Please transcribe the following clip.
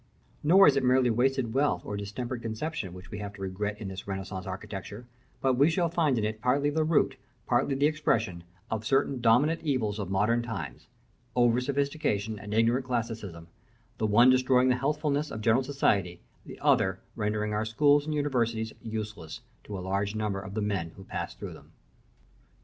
Nor is it merely wasted wealth or distempered conception which we have to regret in this Renaissance architecture: but we shall find in it partly the root, partly the expression, of certain dominant evils of modern times over sophistication and ignorant classicalism; the one destroying the healthfulness of general society, the other rendering our schools and universities useless to a large number of the men who pass through them.